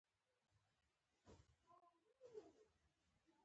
سیلاني ځایونه د افغانستان د ملي هویت نښه ده.